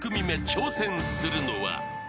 挑戦するのは］